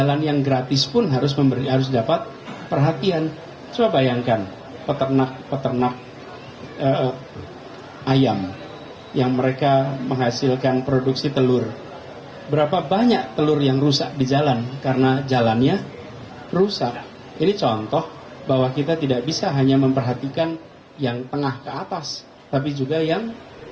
anies menurut pks ke dua puluh satu di istora senayan sabtu siang